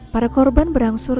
para korban berangsur